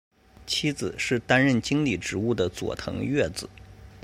妻子是担任经理职务的佐藤悦子。